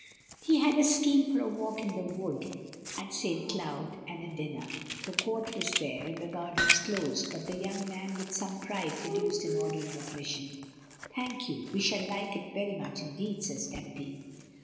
He had a scheme for a walk in the wood at St Cloud, and a dinner. The court was there, and the gardens closed, but the young man with some pride produced an order of admission. "Thank you, we shall like it very much indeed," says Tempy.